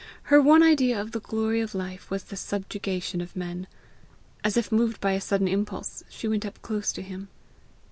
Her one idea of the glory of life was the subjugation of men. As if moved by a sudden impulse, she went close up to him.